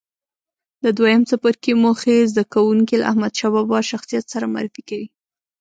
د دویم څپرکي موخې زده کوونکي له احمدشاه بابا شخصیت سره معرفي کوي.